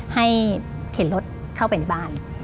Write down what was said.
เข็นรถเข้าไปในบ้าน